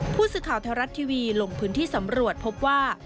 ผู้สื่อข่าวไทยรัฐทีวีลงพื้นที่สำรวจพบว่า